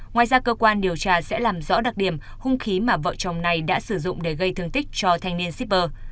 ngoài ra cơ quan điều tra sẽ làm rõ đặc điểm hung khí mà vợ chồng này đã sử dụng để gây thương tích cho thanh niên shipper